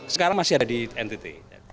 sekarang masih ada di ntt